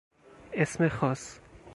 اسم خاص